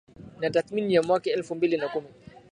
na tathmini ya mwaka elfu mbili na kumi